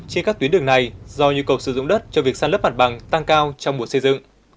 khi các tuyến đường này do nhu cầu sử dụng đất cho việc săn lớp mặt bằng tăng cao trong buổi xây dựng